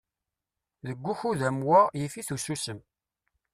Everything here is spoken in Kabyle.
Deg ukud am wa, yif-it ususem.